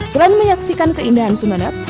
selain menyaksikan keindahan sumeneb